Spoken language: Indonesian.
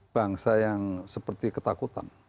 bangsa yang seperti ketakutan